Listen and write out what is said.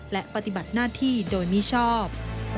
และปฏิบัติหน้าที่โดยมิชอบ